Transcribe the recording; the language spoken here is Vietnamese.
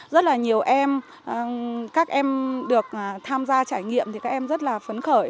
rất là nhiều em các em được tham gia trải nghiệm thì các em rất là phấn khởi